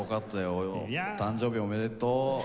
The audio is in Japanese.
お誕生日おめでとう。